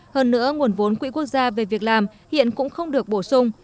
hơn nữa nguồn vốn quỹ quốc gia về việc làm hiện cũng không được bổ sung